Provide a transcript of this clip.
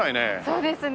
そうですね。